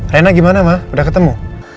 rena gimana ma udah ketemu